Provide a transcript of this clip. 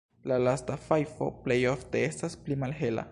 La lasta fajfo plej ofte estas pli malhela.